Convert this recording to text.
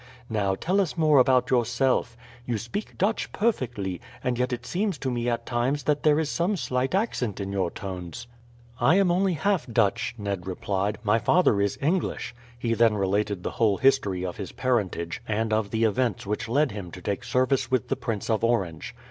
Now, tell us more about yourself. You speak Dutch perfectly, and yet it seems to me at times that there is some slight accent in your tones." "I am only half Dutch," Ned replied; "my father is English." He then related the whole history of his parentage, and of the events which led him to take service with the Prince of Orange.